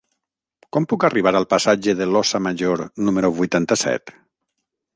Com puc arribar al passatge de l'Óssa Major número vuitanta-set?